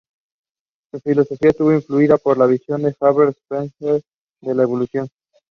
Burial tombs from this era have been uncovered.